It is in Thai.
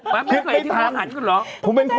ว้าวไม่เคยเห็นที่มันหันกันหรอ